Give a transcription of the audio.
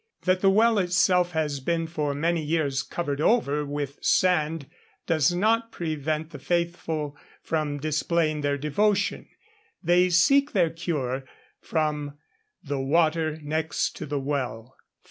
That the well itself has been for many years covered over with sand does not prevent the faithful from displaying their devotion; they seek their cure from 'the water next to the well.'